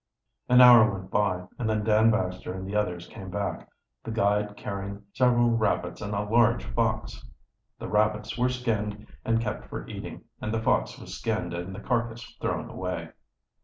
An hour went by, and then Dan Baxter and the others came back, the guide carrying several rabbits and a large fox. The rabbits were skinned and kept for eating, and the fox was skinned and the carcass thrown away.